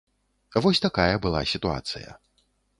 Вось такая была сітуацыя.